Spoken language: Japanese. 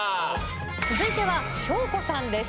続いては翔子さんです。